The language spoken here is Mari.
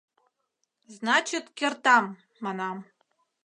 Значит, кертам», — манам.